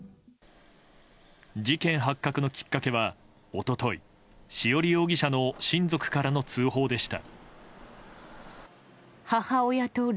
事件発覚のきっかけは一昨日、潮理容疑者の親族からの通報でした。